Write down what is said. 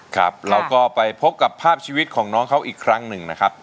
ครับเราก็ไปพบกับภาพชีวิตของน้องเขาอีกครั้งหนึ่งนะครับ